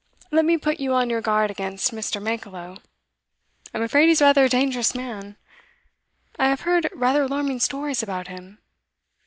Let me put you on your guard against Mr. Mankelow. I'm afraid he's rather a dangerous man. I have heard rather alarming stories about him.